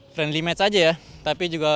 friendly match aja ya tapi juga